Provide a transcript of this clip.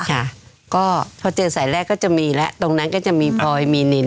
ค่ะก็พอเจอสายแรกก็จะมีแล้วตรงนั้นก็จะมีพลอยมีนิน